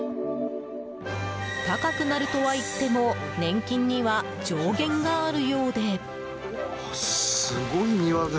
高くなるとはいっても年金には上限があるようで。